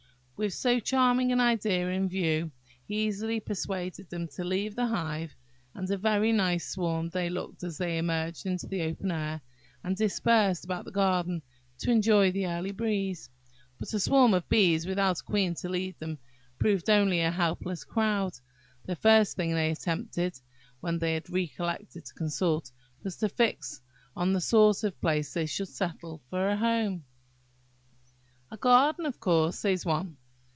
With so charming an idea in view, he easily persuaded them to leave the hive; and a very nice swarm they looked as they emerged into the open air, and dispersed about the garden to enjoy the early breeze. But a swarm of bees, without a queen to lead them, proved only a helpless crowd, after all. The first thing they attempted, when they had re collected to consult, was, to fix on the sort of place in which they should settle for a home. "A garden, of course," says one.